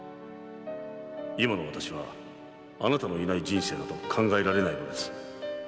「今の私はあなたのいない人生など考えられないのです」